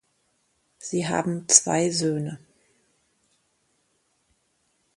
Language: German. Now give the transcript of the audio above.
Sie haben zwei Söhne.